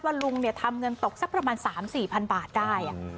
ก็มีเมียทำเงินตกซักประมาณ๓๔พันบาทได้อ่ะ